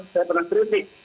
saya pernah kritik